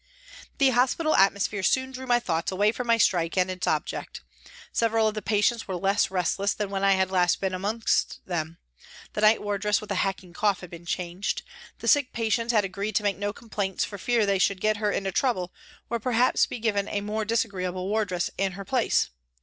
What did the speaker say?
The hospital atmosphere soon drew my thoughts away from my strike and its object. Several of the patients were less restless than when I had last been amongst them. The night wardress with the hack ing cough had been changed. The sick patients had agreed to make no complaints for fear they should get her into trouble or perhaps be given a more disagreeable wardress in her place.